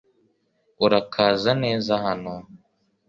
Urakaza neza hano